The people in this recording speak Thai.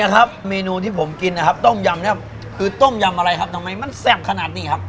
ครับเมนูที่ผมกินนะครับต้มยำเนี่ยคือต้มยำอะไรครับทำไมมันแซ่บขนาดนี้ครับ